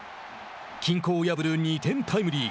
均衡を破る２点タイムリー。